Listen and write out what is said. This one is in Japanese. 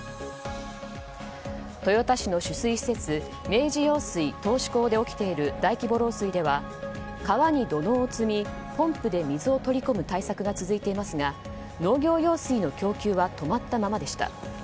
明治用水頭首工で起きている大規模漏水では川に土のうを積みポンプで水を取り込む対策が続いていますが農業用水の供給は止まったままでした。